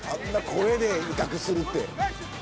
声で威嚇するって。